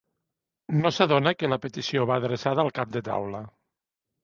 No s'adona que la petició va adreçada al cap de taula.